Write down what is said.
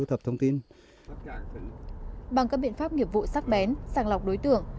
hiện pháp nghiệp vụ sắc bén sàng lọc đối tượng